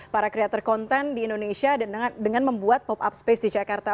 para kreator konten di indonesia dengan membuat pop up space di jakarta